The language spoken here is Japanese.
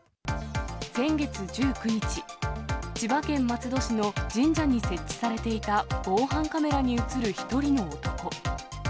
先月１９日、千葉県松戸市の神社に設置されていた防犯カメラに写る１人の男。